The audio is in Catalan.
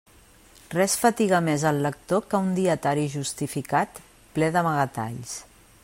Res fatiga més el lector que un dietari justificat, ple d'amagatalls.